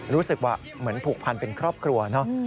รู้สึกว่าเหมือนผูกพันเป็นครอบครัวเนอะ